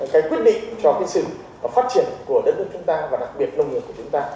cái quyết định cho cái sự phát triển của đất nước chúng ta và đặc biệt nông nghiệp của chúng ta